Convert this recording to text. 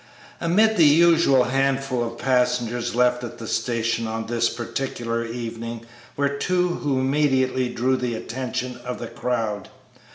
Amid the usual handful of passengers left at the station on this particular evening were two who immediately drew the attention of the crowd.